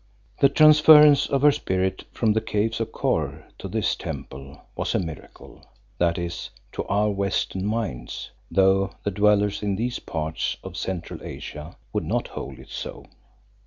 The transference of her spirit from the Caves of Kôr to this temple was a miracle, that is, to our western minds, though the dwellers in these parts of Central Asia would not hold it so.